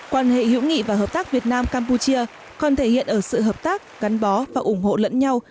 quan hệ hữu nghị và hợp tác việt nam campuchia còn thể hiện ở sự hợp tác gắn bó và ủng hộ lẫn nhau